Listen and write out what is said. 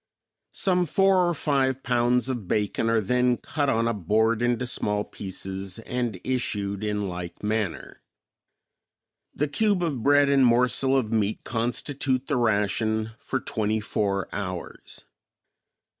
Some four or five pounds of bacon are then cut on a board into small pieces and issued in like manner. The cube of bread and morsel of meat constitute the ration for twenty four hours.